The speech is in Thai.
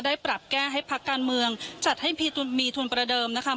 ปรับแก้ให้พักการเมืองจัดให้มีทุนประเดิมนะคะ